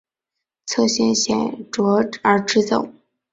侧线显着而直走。